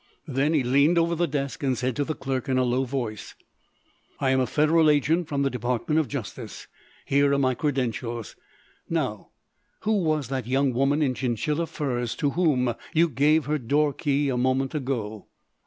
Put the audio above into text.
Then he leaned over the desk and said to the clerk in a low voice: "I am a Federal agent from the Department of Justice. Here are my credentials. Now, who was that young woman in chinchilla furs to whom you gave her door key a moment ago?"